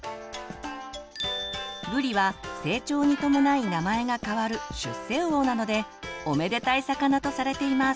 ぶりは成長に伴い名前が変わる出世魚なのでおめでたい魚とされています。